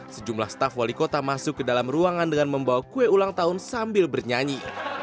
sejumlah staf wali kota masuk ke dalam ruangan dengan membawa kue ulang tahun sambil bernyanyi